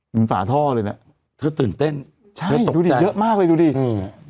ฝาท่อเลยน่ะเธอตื่นเต้นใช่เธอตกดูดิเยอะมากเลยดูดินี่